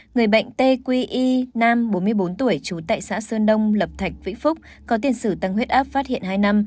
người bệnh t q y nam bốn mươi bốn tuổi trú tại xã sơn đông lập thạch vĩ phúc có tiền xử tăng huyết áp phát hiện hai năm